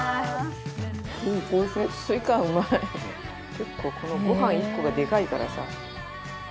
結構このご飯１個がでかいからさ。